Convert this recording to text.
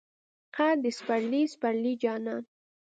قد د سپرلی، سپرلی جانان